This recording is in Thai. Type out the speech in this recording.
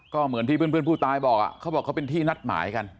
ก็เหมือนที่เพื่อนผู้ตายบอกเขาบอกเขาเป็นที่นัดหมายกัน